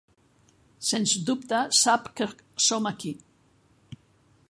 Sens dubte sap que com aquí.